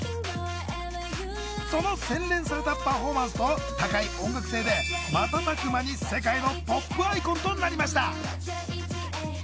その洗練されたパフォーマンスと高い音楽性で瞬く間に世界のポップアイコンとなりました。